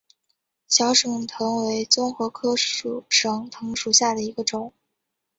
小省藤为棕榈科省藤属下的一个种。